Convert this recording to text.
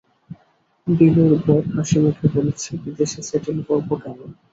বিলুর বর হাসিমুখে বলেছে, বিদেশে স্যাটল করব কেন?